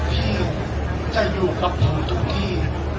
ที่จะอยู่กับหนูทุกที่